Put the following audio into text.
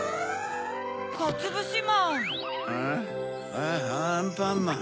あっアンパンマン。